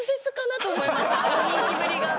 あの人気ぶりが。